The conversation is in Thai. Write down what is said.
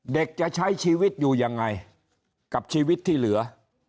เด็กจะใช้ชีวิตอยู่ยังไงกับชีวิตที่เหลือ